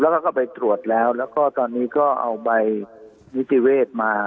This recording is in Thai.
แล้วก็ไปตรวจแล้วแล้วก็ตอนนี้ก็เอาใบนิติเวศมา